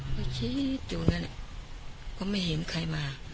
ก็คิดอยู่นั่นเนี่ยก็ไม่เห็นใครมา